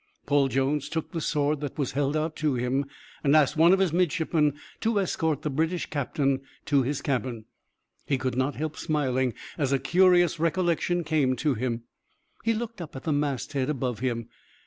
Paul Jones took the sword that was held out to him, and asked one of his midshipmen to escort the British captain to his cabin. He could not help smiling as a curious recollection came to him. He looked up at the masthead above him.